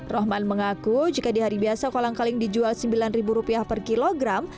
rohman mengaku jika di hari biasa kolang kaling dijual rp sembilan per kilogram